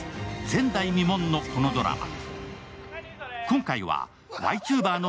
前代未聞の、このドラマ。